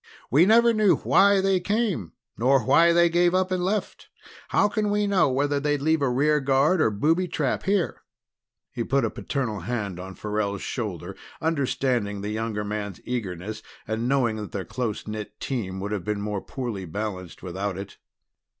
We never knew why they came nor why they gave up and left. How can we know whether they'd leave a rear guard or booby trap here?" He put a paternal hand on Farrell's shoulder, understanding the younger man's eagerness and knowing that their close knit team would have been the more poorly balanced without it.